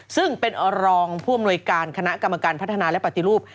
ซึ่งเป็นรองผู้อำนวยการคณะกรรมการพัฒนาและปฏิรูป